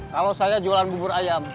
kalau saya jualan bubur ayam